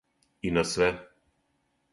И на све.